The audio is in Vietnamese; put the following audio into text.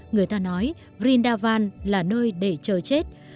người ta nói vrindavan là nơi để chờ chết